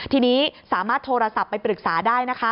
ทีนี้สามารถโทรศัพท์ไปปรึกษาได้นะคะ